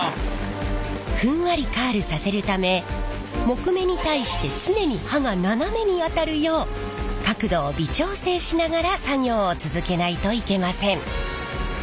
ふんわりカールさせるため木目に対して常に刃が斜めに当たるよう角度を微調整しながら作業を続けないといけません。